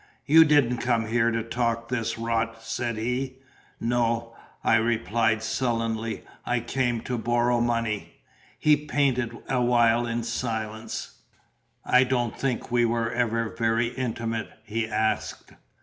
"You didn't come here to talk this rot," said he. "No," I replied sullenly; "I came to borrow money." He painted awhile in silence. "I don't think we were ever very intimate?" he asked.